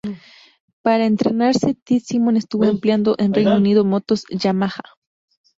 Para entrenarse, Ted Simon estuvo empleando en Reino Unido motos Yamaha.